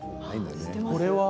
これは？